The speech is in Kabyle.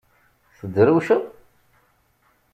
Tedrewceḍ?